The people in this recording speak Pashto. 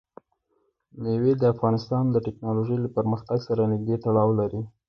مېوې د افغانستان د تکنالوژۍ له پرمختګ سره نږدې تړاو لري.